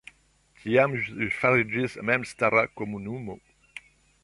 Tiam ĝi fariĝis memstara komunumo.